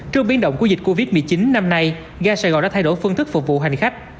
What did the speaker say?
trước biến động của dịch covid một mươi chín năm nay ga sài gòn đã thay đổi phương thức phục vụ hành khách